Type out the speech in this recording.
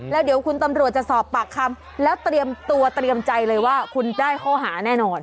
แล้วเดี๋ยวคุณตำรวจจะสอบปากคำแล้วเตรียมตัวเตรียมใจเลยว่าคุณได้ข้อหาแน่นอน